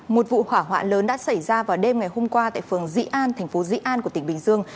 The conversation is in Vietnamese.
một vụ hỏa hoạ lớn đã xảy ra vào đêm ngày hôm qua tại phường dị an thành phố dị an của tỉnh bình dương